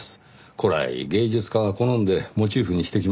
古来芸術家が好んでモチーフにしてきました。